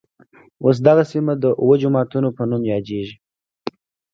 اوس دغه سیمه د اوه جوماتونوپه نوم يادېږي.